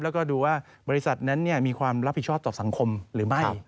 แล้วก็ดูว่าบริษัทนั้นมีความรับผิดชอบต่อสังคมหรือไม่